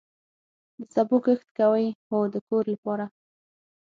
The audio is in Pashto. د سبو کښت کوئ؟ هو، د کور لپاره